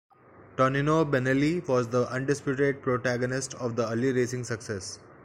Tonino Benelli was the undisputed protagonist of the early racing successes.